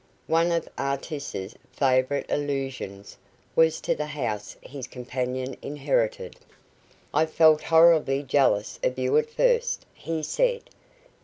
One of Artis's favourite allusions was to the house his companion inherited. "I felt horribly jealous of you at first," he said.